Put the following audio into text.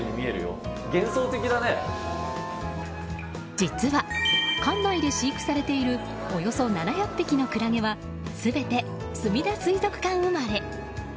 実は、館内で飼育されているおよそ７００匹のクラゲは全て、すみだ水族館生まれ。